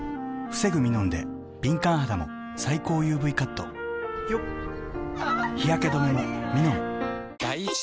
防ぐミノンで敏感肌も最高ＵＶカット日焼け止めもミノン！